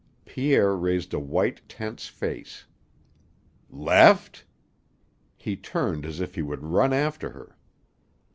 Pierre raised a white, tense face. "Left?" He turned as if he would run after her.